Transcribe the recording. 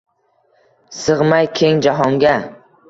Sig’may keng jahonga